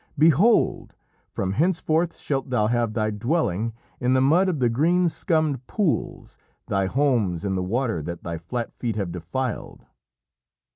Behold from henceforth shalt thou have thy dwelling in the mud of the green scummed pools, thy homes in the water that thy flat feet have defiled."